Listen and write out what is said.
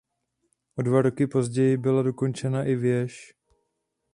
O dva roky později byla dokončena i věž.